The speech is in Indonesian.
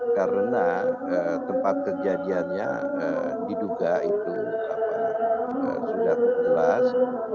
karena tempat kejadiannya diduga itu sudah jelas